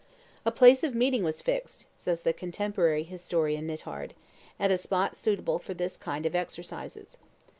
"A place of meeting was fixed," says the contemporary historian Nithard, "at a spot suitable for this kind of exercises.